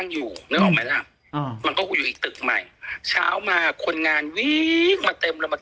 หนุ่มกัญชัยโทรมา